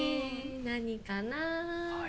何かなあ？